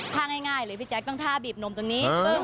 ท่าง่ายเลยพี่แจ๊คต้องท่าบีบนมตรงนี้